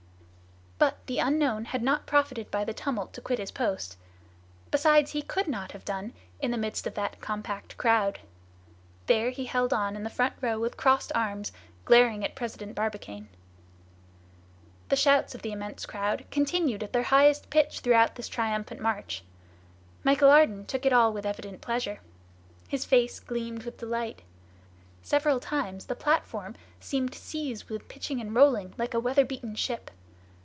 However, the unknown had not profited by the tumult to quit his post. Besides he could not have done it in the midst of that compact crowd. There he held on in the front row with crossed arms, glaring at President Barbicane. The shouts of the immense crowd continued at their highest pitch throughout this triumphant march. Michel Ardan took it all with evident pleasure. His face gleamed with delight. Several times the platform seemed seized with pitching and rolling like a weatherbeaten ship.